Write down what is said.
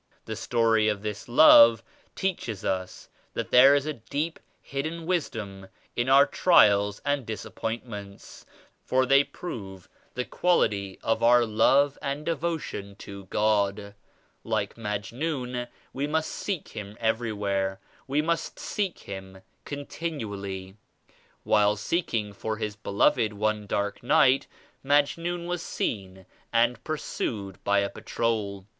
The story of this love teaches us that there is a deep hidden wisdom in our trials and disappointments for they prove the quality of our love and devotion to God. Like Majnun we must seek Him every where, we must seek Him continually. While seeking for his beloved one dark night Majnun was seen and pursued by a patrol.